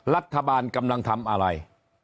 รัฐบาลกำลังทำอะไร